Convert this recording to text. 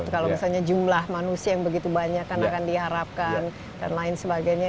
kalau misalnya jumlah manusia yang begitu banyak kan akan diharapkan dan lain sebagainya